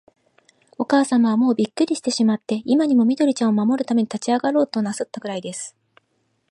おかあさまは、もうびっくりしてしまって、今にも、緑ちゃんを守るために立ちあがろうとなすったくらいです。